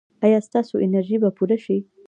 ایا ستاسو انرژي به پوره شي؟